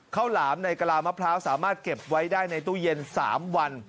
หลามในกะลามะพร้าวสามารถเก็บไว้ได้ในตู้เย็น๓วัน